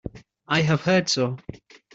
I have heard so.